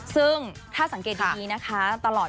เสียงสั่นเลยตลอด